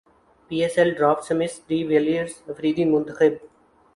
پی S L draft Smith de Villiers Afridi منتخب